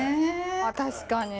確かに。